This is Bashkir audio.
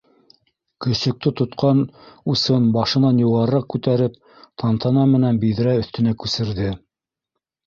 Көсөктө тотҡан усын башынан юғарыраҡ күтәреп тантана менән биҙрә өҫтөнә күсерҙе.